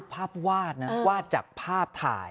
วาดนะวาดจากภาพถ่าย